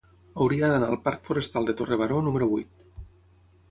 Hauria d'anar al parc Forestal de Torre Baró número vuit.